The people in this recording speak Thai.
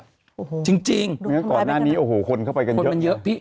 โอ้โหจริงจริงไม่งั้นก่อนหน้านี้โอ้โหคนเข้าไปกันเยอะคนมันเยอะพี่